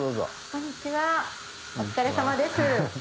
こんにちはお疲れさまです。